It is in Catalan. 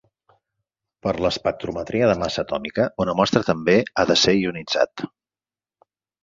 Per a l'espectrometria de massa atòmica, una mostra també ha de ser ionitzat.